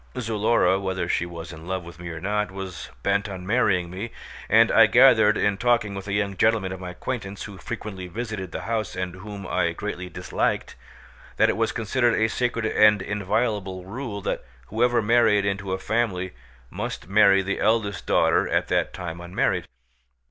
Zulora, whether she was in love with me or not, was bent on marrying me, and I gathered in talking with a young gentleman of my acquaintance who frequently visited the house and whom I greatly disliked, that it was considered a sacred and inviolable rule that whoever married into a family must marry the eldest daughter at that time unmarried.